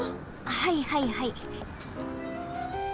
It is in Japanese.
はいはいはい。